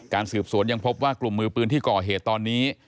สืบสวนยังพบว่ากลุ่มมือปืนที่ก่อเหตุตอนนี้